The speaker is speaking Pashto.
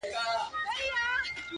ته یې لور د شراب. زه مست زوی د بنګ یم.